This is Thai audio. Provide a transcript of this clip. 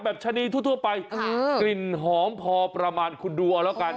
ชะนีทั่วไปกลิ่นหอมพอประมาณคุณดูเอาแล้วกัน